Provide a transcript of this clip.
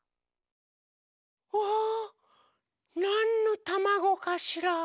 うわなんのたまごかしら？